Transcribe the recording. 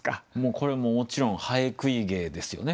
これもちろん蠅食ひ芸ですよね。